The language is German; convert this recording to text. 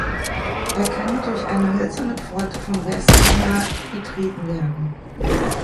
Er kann durch eine hölzerne Pforte von Westen her betreten werden.